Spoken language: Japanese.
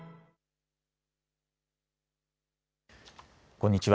こんにちは。